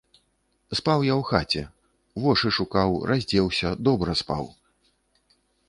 Спаў я ў хаце, вошы шукаў, раздзеўся, добра спаў.